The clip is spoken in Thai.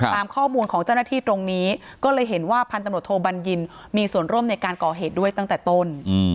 ตามข้อมูลของเจ้าหน้าที่ตรงนี้ก็เลยเห็นว่าพันตำรวจโทบัญญินมีส่วนร่วมในการก่อเหตุด้วยตั้งแต่ต้น